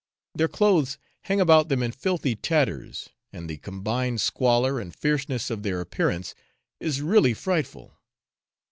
Their clothes hang about them in filthy tatters, and the combined squalor and fierceness of their appearance is really frightful.